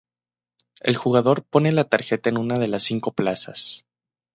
El jugador pone la tarjeta en una de las cinco plazas.